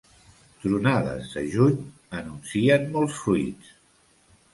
Tronades de juny anuncien molts fruits.